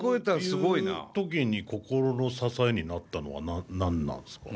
そういう時に心の支えになったのは何なんですか？